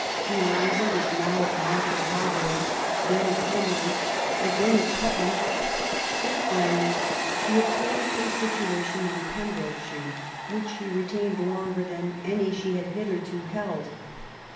Eliza was now at Market Har borough, then at Henley, again at Putney, and finally she obtained a situation in Pembrokeshire, which she retained longer than any she had hitherto held.